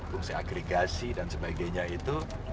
fungsi agregasi dan sebagainya itu